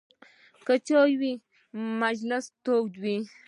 که چای وي، مجلس تود وي.